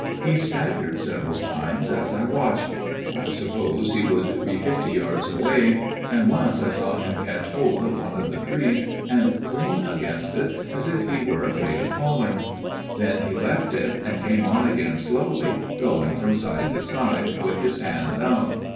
He staggered several times as I watched ; I suppose he would be fifty yards away and once I saw him catch hold of one of the trees and cling against it as if he were afraid of falling. Then 242 A MIRROR OF SHALOTT he left it, and came on again slowly, going from side to side, with his hands out.